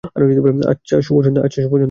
আচ্ছা, শুভ সন্ধ্যা।